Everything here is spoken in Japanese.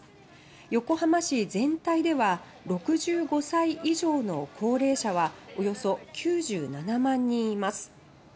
横浜市全体では６５歳以上の高齢者はおよそ９７万人います。